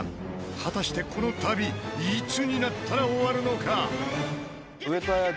果たしてこの旅いつになったら終わるのか？